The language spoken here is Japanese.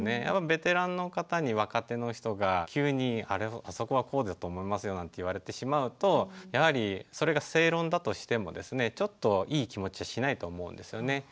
やっぱりベテランの方に若手の人が急に「あそこはこうだと思いますよ」なんて言われてしまうとやはりそれが正論だとしてもですねちょっといい気持ちしないと思うんですよね。